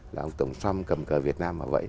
là ông tổng thống trump cầm cờ việt nam và vẫy